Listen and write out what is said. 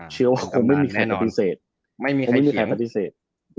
เชื่อว่าคงไม่มีใครปฏิเสธ